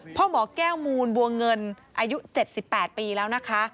พ่อหมอแก้วมูลบัวเงินอายุ๗๘ปีแล้วนะคะ